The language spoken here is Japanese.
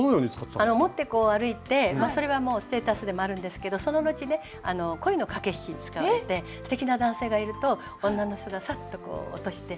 持ってこう歩いてそれはステータスでもあるんですけどその後ね恋の駆け引きに使われてすてきな男性がいると女の人がサッと落としてあららって感じで。